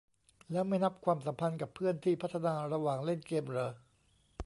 แล้วไม่นับความสัมพันธ์กับเพื่อนที่พัฒนาระหว่างเล่นเกมเหรอ ?